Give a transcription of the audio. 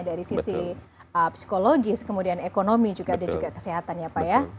dari sisi psikologis kemudian ekonomi juga ada juga kesehatan ya pak ya